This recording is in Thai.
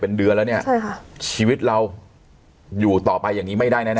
เป็นเดือนแล้วเนี่ยใช่ค่ะชีวิตเราอยู่ต่อไปอย่างนี้ไม่ได้แน่